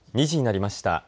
２時になりました。